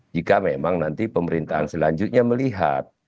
jika memang nanti pemerintahan selanjutnya melihat